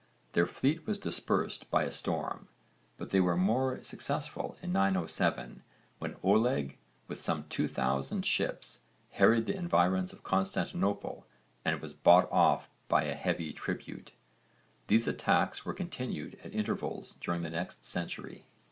Their fleet was dispersed by a storm, but they were more successful in 907 when Oleg with some 2000 ships harried the environs of Constantinople and was bought off by a heavy tribute. These attacks were continued at intervals during the next century.